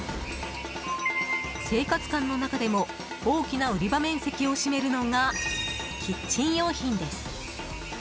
生活館の中でも大きな売り場面積を占めるのがキッチン用品です。